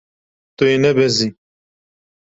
Tu yê nebezî.